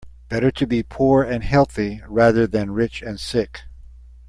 Better to be poor and healthy rather than rich and sick.